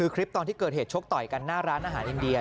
คลิปตอนที่เกิดเหตุชกต่อยกันหน้าร้านอาหารอินเดีย